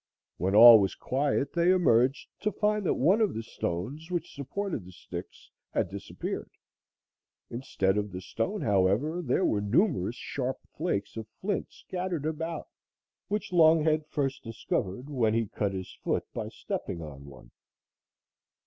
When all was quiet they emerged to find that one of the stones which supported the sticks had disappeared. Instead of the stone, however, there were numerous sharp flakes of flint scattered about, which Longhead first discovered when he cut his foot by stepping on one.